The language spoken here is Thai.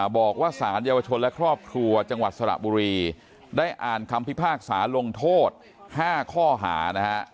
บอกว่าสารเยาวชนและครอบครัวจังหวัดสระบุรีได้อ่านคำพิพากษาลงโทษ๕ข้อหานะฮะ